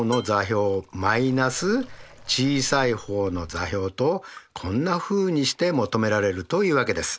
つまり距離こんなふうにして求められるというわけです。